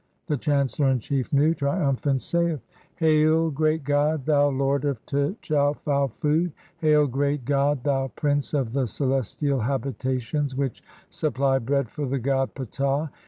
The chancellor in chief, Nu, triumphant, saith :— (2) "Hail, Great God, thou lord of tchefau food ! Hail , Great "God, thou prince of the celestial habitations which supply "bread for the god Ptah